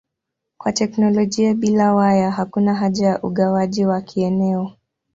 Kwa teknolojia bila waya hakuna haja ya ugawaji wa kieneo.